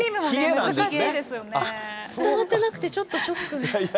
伝わってなくて、ちょっとショック。